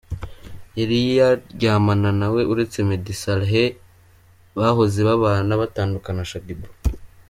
yari yaryamana nawe uretse Meddy Saleh bahoze babana bagatandukana, Shaddyboo